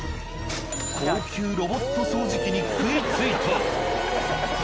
高級ロボット掃除機に食いついた。